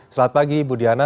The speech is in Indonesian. selamat pagi ibu diana